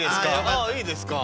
ああいいですか？